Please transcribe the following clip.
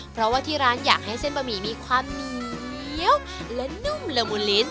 เพราะว่าที่ร้านอยากให้เส้นบะหมี่มีความเหนียวและนุ่มละมุนลิ้น